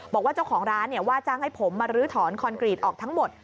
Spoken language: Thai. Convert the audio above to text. บอกว่าเจ้าของร้านว่าจ้างให้ผมมาลื้อถอนคอนกรีตออกทั้งหมด